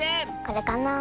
これかな？